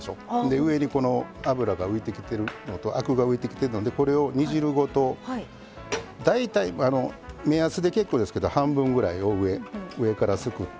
上にこの脂が浮いてきてるのとアクが浮いてきてるのでこれを煮汁ごと大体目安で結構ですけど半分ぐらいを上からすくって。